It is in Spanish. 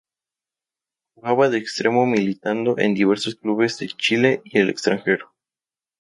Jugaba de Extremo militando en diversos clubes de Chile y el extranjero.